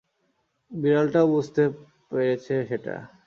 বিড়ালটাও বুঝতে পেরেছে সেটা।